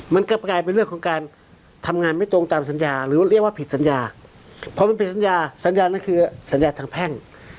มันก็กลายเป็นเรื่องของการทำงานไม่ตรงตามสัญญาหรือเรียกว่าผิดสัญญาเพราะมันผิดสัญญาสัญญานั้นคือสัญญาทางแพ่ง